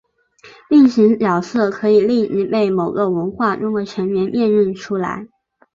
定型角色可以立即被某个文化中的成员辨认出来。